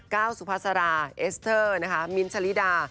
ก้าวสุภาษาราเอสเตอร์นะคะมิ้นท์ชะลิดา